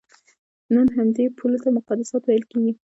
نن همدې پولو ته مقدسات ویل کېږي.